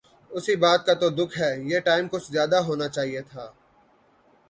اسی بات کا تو دکھ ہے۔ یہ ٹائم کچھ زیادہ ہونا چاہئے تھا